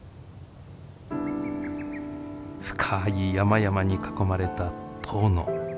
深い山々に囲まれた遠野。